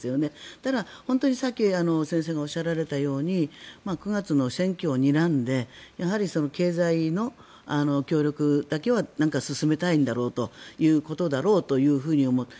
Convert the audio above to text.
ただ、本当に先ほど先生がおっしゃられたように９月の選挙をにらんでやはり、経済の協力だけはなんか進めたいんだろうということだと思います。